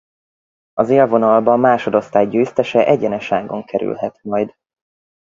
Az élvonalba a másodosztály győztese egyenes ágon kerülhet majd.